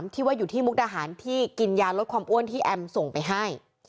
ที่ว่าอยู่ที่มุกดาหารที่กินยาลดความอ้วนที่แอมส่งไปให้